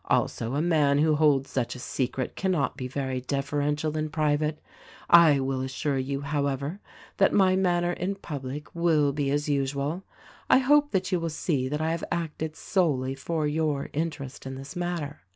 Also, a man who holds such a secret cannot be very deferential in private. I will assure you, however, that my manner in public will be as usual I hope that you will see that I have acted solely for your interest in this matter.